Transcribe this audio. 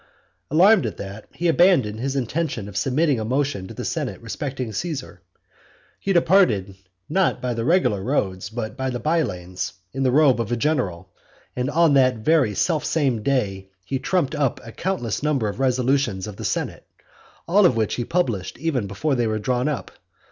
Alarmed at that, he abandoned his intention of submitting a motion to the senate respecting Caesar. He departed not by the regular roads, but by the by lanes, in the robe of a general; and on that very self same day he trumped up a countless number of resolutions of the senate; all of which he published even before they were drawn up.